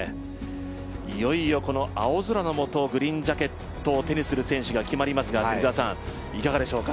いよいよこの青空のもとグリーンジャケットを手にする選手が決まりますがいかがでしょうか。